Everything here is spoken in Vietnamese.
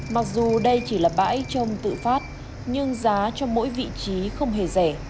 mặc dù đây chỉ là bãi trông tự phát nhưng giá cho mỗi vị trí không hề rẻ